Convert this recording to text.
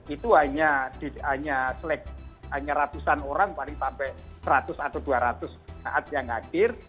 itu hanya ratusan orang paling sampai seratus atau dua ratus saat yang hadir